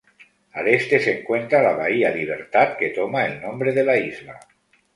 Al este se encuentra la bahía Libertad, que toma el nombre de la isla.